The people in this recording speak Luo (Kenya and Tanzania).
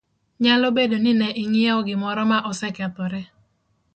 Nyalo bedo ni ne ing'iewo gimoro ma osekethore,